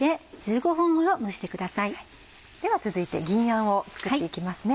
では続いて銀あんを作って行きますね。